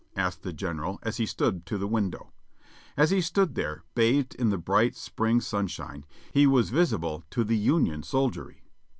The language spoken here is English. asked the General as he stepped to the window. As he stood there, bathed in the bright spring sun shine, he was visible to the Union soldiery.